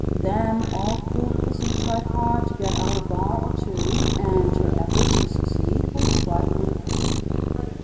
Then poor old Pussy tried hard to get out a bar or two, and her efforts to succeed were quite ludicrous.